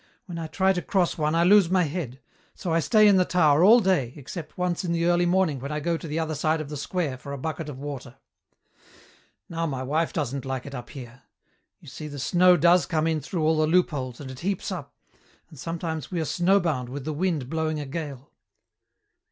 When I try to cross one I lose my head. So I stay in the tower all day, except once in the early morning when I go to the other side of the square for a bucket of water. Now my wife doesn't like it up here. You see, the snow does come in through all the loopholes and it heaps up, and sometimes we are snowbound with the wind blowing a gale."